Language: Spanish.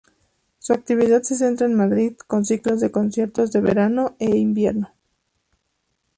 Su actividad se centra en Madrid, con ciclos de conciertos de verano e invierno.